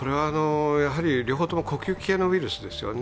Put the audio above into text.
両方とも呼吸器系のウイルスですね。